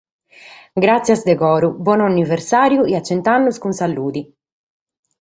Gràtzias de coro, bonu anniversàriu e a chent’annos cun salude!